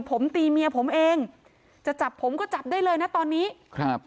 ผมตีเมียผมเองจะจับผมก็จับได้เลยนะตอนนี้ครับ